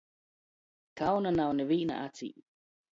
Kauna nav nivīnā acī!